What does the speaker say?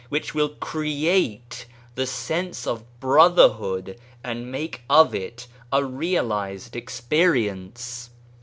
which will create the sense of * brotherhood ' and make of it a realised experience.